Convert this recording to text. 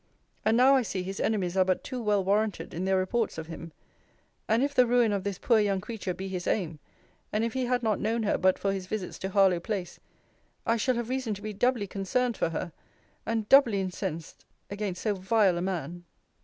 * And now I see, his enemies are but too well warranted in their reports of him: and, if the ruin of this poor young creature be his aim, and if he had not known her but for his visits to Harlowe place, I shall have reason to be doubly concerned for her; and doubly incensed against so vile a man.